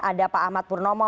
ada pak ahmad purnomo